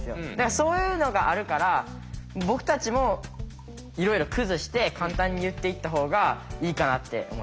そういうのがあるから僕たちもいろいろ崩して簡単に言っていったほうがいいかなって思います。